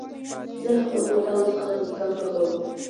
زه له خپلو خطاوو څخه زدکړه کوم.